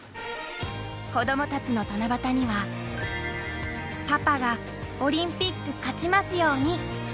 子どもたちの七夕には、パパがオリンピック勝ちますように。